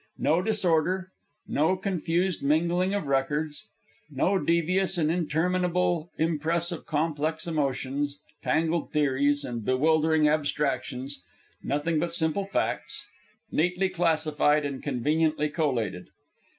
No disorder; no confused mingling of records; no devious and interminable impress of complex emotions, tangled theories, and bewildering abstractions nothing but simple facts, neatly classified and conveniently collated.